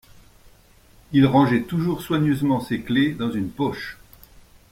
Il rangeait toujours soigneusement ses clefs dans une poche.